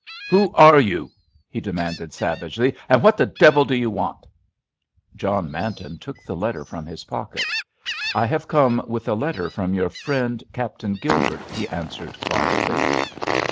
"Who are you?" he demanded savagely, "and what the devil do you want?" John Manton took the letter from his pocket. "I have come with a letter from your friend, Captain Gilbert," he answered quietly.